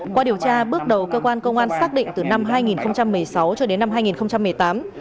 qua điều tra bước đầu cơ quan công an xác định từ năm hai nghìn một mươi sáu cho đến năm hai nghìn một mươi tám